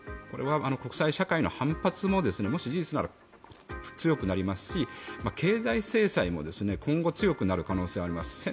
これは国際社会の反発ももし事実なら強くなりますし経済制裁も今後、強くなる可能性があります。